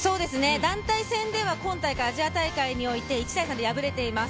団体戦では今大会、アジア大会において、１−３で敗れています。